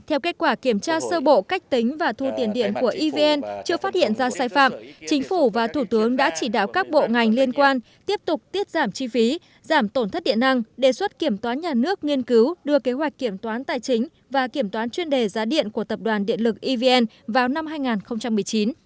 theo kết quả kiểm tra sơ bộ cách tính và thu tiền điện của evn chưa phát hiện ra sai phạm chính phủ và thủ tướng đã chỉ đạo các bộ ngành liên quan tiếp tục tiết giảm chi phí giảm tổn thất điện năng đề xuất kiểm toán nhà nước nghiên cứu đưa kế hoạch kiểm toán tài chính và kiểm toán chuyên đề giá điện của tập đoàn điện lực evn vào năm hai nghìn một mươi chín